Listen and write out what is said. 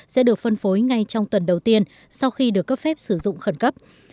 sẽ được phân phối ngay trong tuần đầu tiên sau khi được cấp phép sử dụng khẩn cấp